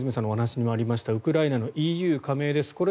お話にもありましたウクライナのＥＵ加盟です。